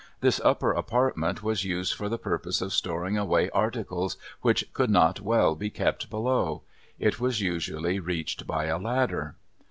This upper apartment was used for the purpose of storing away articles which could not well be kept below. It was usually reached by a ladder.